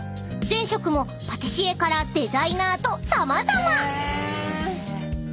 ［前職もパティシエからデザイナーと様々］